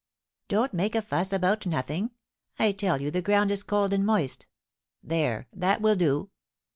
"Don't make a fuss about nothing; I tell you the ground is cold and moist. There, that will do."